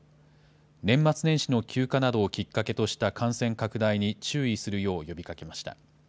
年末年始の休暇などをきっかけとした感染拡大に注意するよう呼びかけました。